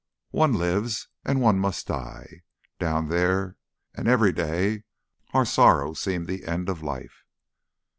One lives, and one must die. Down there and everyday our sorrow seemed the end of life....